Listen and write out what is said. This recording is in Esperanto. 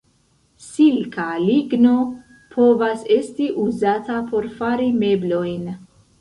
Silka ligno povas esti uzata por fari meblojn.